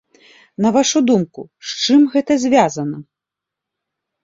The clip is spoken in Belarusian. На вашую думку, з чым гэта звязана?